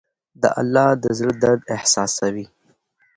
الله د زړه درد احساسوي.